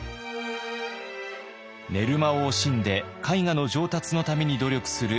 寝る間を惜しんで絵画の上達のために努力する崋山。